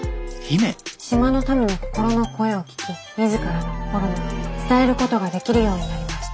島の民の心の声を聞き自らの心も伝えることができるようになりました。